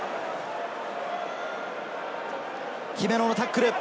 姫野のタックル。